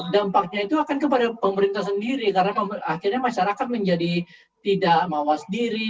dampaknya itu akan kepada pemerintah sendiri karena akhirnya masyarakat menjadi tidak mawas diri